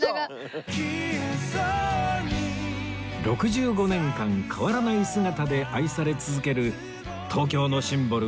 ６５年間変わらない姿で愛され続ける東京のシンボル